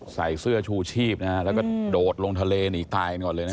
ใส่เสื้อชูชีพนะฮะแล้วก็โดดลงทะเลหนีตายกันก่อนเลยนะ